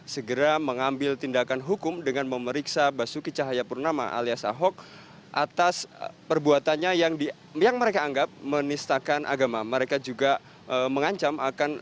teguh apa persisnya tuntutan yang mereka sampaikan